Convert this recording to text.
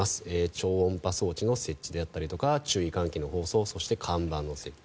超音波装置の設置であったり注意喚起の放送そして、看板の設置